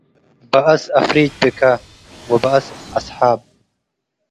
በአስ አፍሪጅ ብከ - ወበአስ አስሓብ